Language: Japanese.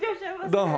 どうも。